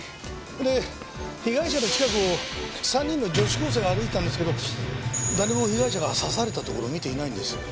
で被害者の近くを３人の女子高生が歩いてたんですけど誰も被害者が刺されたところを見ていないんです。